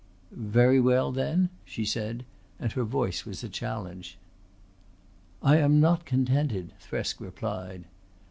"Very well then?" she said, and her voice was a challenge. "I am not contented," Thresk replied.